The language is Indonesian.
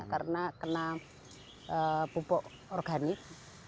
karena kena pupuk organik